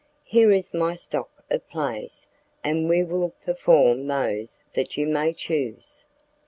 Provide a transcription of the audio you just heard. Here is my stock of plays, and we will perform those that you may choose."